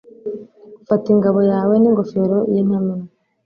Fata ingabo yawe n’ingofero y’intamenwa